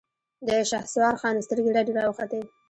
د شهسوار خان سترګې رډې راوختې.